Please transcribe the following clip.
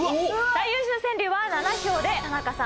最優秀川柳は７票で田中さん。